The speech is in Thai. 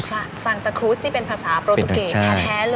สังตะครูสที่เป็นภาษาโปรตูเกสแท้เลยใช่มั้ย